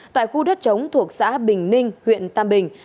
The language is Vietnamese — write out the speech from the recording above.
tại khu đất chống thuộc xã bình ninh huyện tam bình